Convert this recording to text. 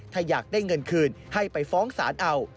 ถ้าอยากได้เงินคืนให้ไปฟ้องศาลเอา